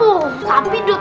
oh tapi dut